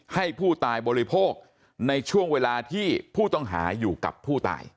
ให้ผู้ตายบริโภคในช่วงเวลาที่ผู้ต้องหาอยู่กับผู้ตาย